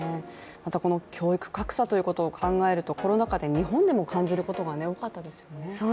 教育格差ということを考えるとコロナ禍で日本で感じることも多かったですね